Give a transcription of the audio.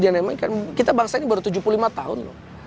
dinamikanya kita bangsa ini baru tujuh puluh lima tahun